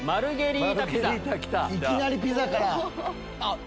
いきなりピザから！